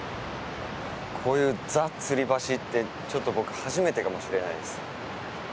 こういう、ザ・つり橋ってちょっと僕初めてかもしれないです。